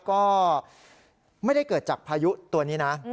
ก็ไม่ได้เกิดจากพายุตัวนี้นะ